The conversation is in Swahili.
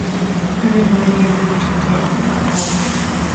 hana nauli ya ndege tuko tayari kufika pale